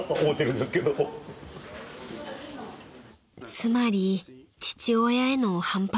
［つまり父親への反発？］